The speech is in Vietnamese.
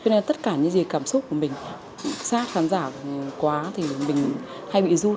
cho nên tất cả những gì cảm xúc của mình sát khán giả quá thì mình hay bị run